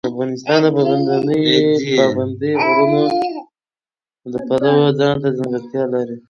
افغانستان د پابندی غرونه د پلوه ځانته ځانګړتیا لري.